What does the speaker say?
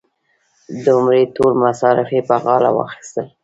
د عمرې ټول مصارف یې په غاړه واخیستل.